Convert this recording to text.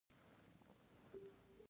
هلته به دوی د خپلو کړو د پښیمانۍ وخت موند.